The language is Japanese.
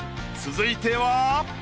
続いては。